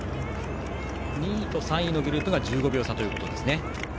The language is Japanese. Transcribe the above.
２位と３位のグループが１５秒差ですね。